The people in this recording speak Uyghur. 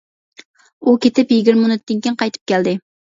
ئۇ كېتىپ يىگىرمە مىنۇتتىن كېيىن قايتىپ كەلدى.